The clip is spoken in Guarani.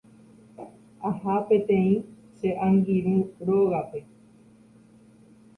Aha peteĩ che angirũ rógape.